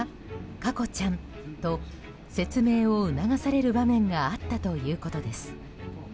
佳子ちゃんと説明を促される場面があったということです。